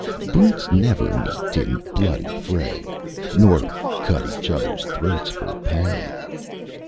Brutes never meet in bloody fray, Nor cut each others' throats for pay.